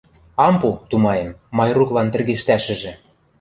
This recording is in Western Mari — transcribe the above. Ам пу, тумаем, Майруклан тӹргештӓшӹжӹ!